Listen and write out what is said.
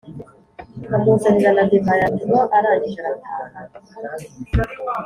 amuzanira na divayi aranywa arangije arataha